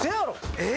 えっ？